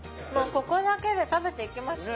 ここだけで食べていきますか。